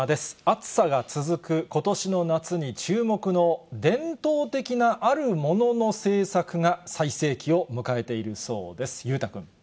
暑さが続くことしの夏に注目の、伝統的なあるものの製作が最盛期を迎えているそうです。